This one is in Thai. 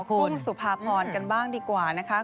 คุณสุภาพรกันบ้างดีกว่านะคะ